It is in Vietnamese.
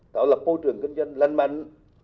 tạo lập phô trường kinh doanh lành mạnh